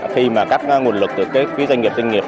khi mà các nguồn lực từ các phía doanh nghiệp doanh nghiệp